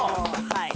はい。